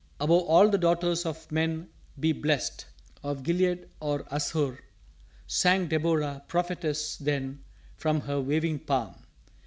"Above all the daughters of men be blest of Gilead or Asshur," Sang Deborah, prophetess, then, from her waving palm.